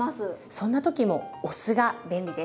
そんな時もお酢が便利です。